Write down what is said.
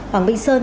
hoàng minh sơn